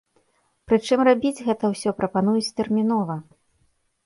Прычым рабіць гэта ўсё прапануюць тэрмінова.